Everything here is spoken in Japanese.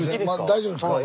大丈夫ですか？